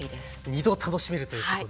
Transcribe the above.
２度楽しめるということで。